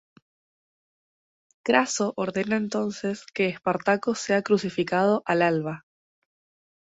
Craso ordena entonces que Espartaco sea crucificado al alba.